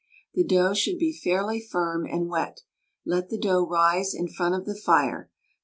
The dough should be fairly firm and wet. Let the dough rise in front of the fire.